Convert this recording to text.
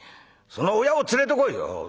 「その親を連れてこい」。